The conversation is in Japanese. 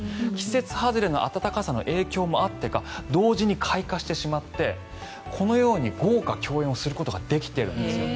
季節外れの暖かさの影響もあってか同時に開花してしまってこのように豪華共演をすることができてるんです。